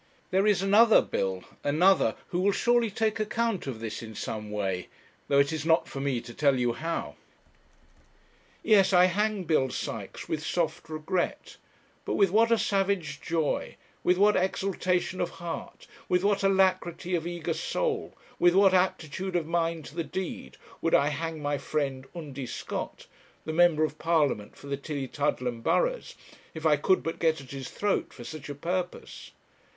There is another, Bill, another, who will surely take account of this in some way, though it is not for me to tell you how. Yes, I hang Bill Sykes with soft regret; but with what a savage joy, with what exultation of heart, with what alacrity of eager soul, with what aptitude of mind to the deed, would I hang my friend, Undy Scott, the member of Parliament for the Tillietudlem burghs, if I could but get at his throat for such a purpose!